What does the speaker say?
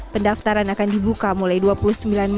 pendaftaran akan diberikan oleh pembangunan pemerintah bandung